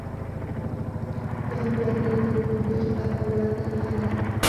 یو, دوه, درې, څلور, پنځه, شپږ, اووه, اته, نه, لس